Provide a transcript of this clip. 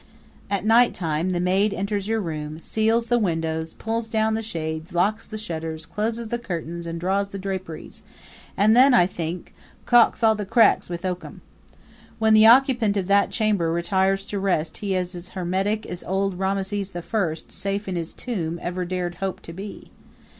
At nighttime the maid enters your room, seals the windows, pulls down the shades, locks the shutters, closes the curtains, draws the draperies and then, I think, calks all the cracks with oakum. When the occupant of that chamber retires to rest he is as hermetic as old Rameses the First, safe in his tomb, ever dared to hope to be.